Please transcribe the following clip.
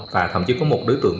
và thậm chí có một đối tượng